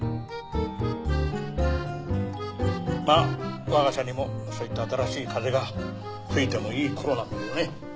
まあ我が社にもそういった新しい風が吹いてもいい頃なんだけどね。